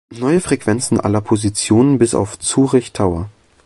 Neue Frequenzen aller Position bis auf Zurich Tower.